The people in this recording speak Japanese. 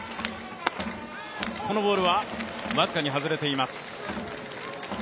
このボールはわずかに外れています。